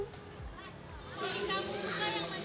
flying fox suka yang mana